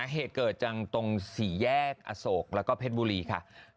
เหตุเกิดจังตรงสี่แยกอโศกแล้วก็เพชรบุรีค่ะ